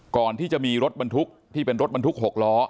ก่อนที่จะมีรถบรรทุกที่เป็นรถบรรทุก๖ล้อ